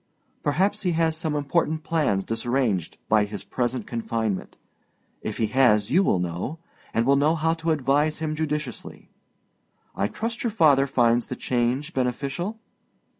Perhaps he has some important plans disarranged by his present confinement. If he has you will know, and will know how to advise him judiciously. I trust your father finds the change beneficial?